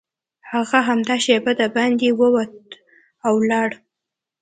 هغه همدا شېبه دباندې ووت او لاړ